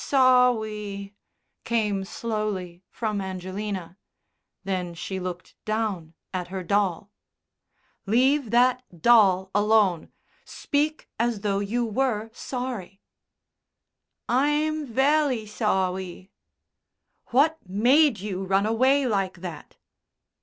"Sowwy," came slowly from Angelina. Then she looked down at her doll. "Leave that doll alone. Speak as though you were sorry." "I'm velly sowwy." "What made you run away like that?"